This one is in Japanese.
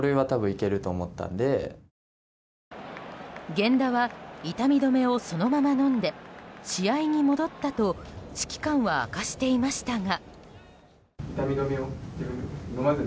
源田は痛み止めをそのまま飲んで試合に戻ったと指揮官は明かしていましたが。